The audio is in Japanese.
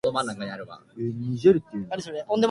最近、忙しい日々を過ごしています。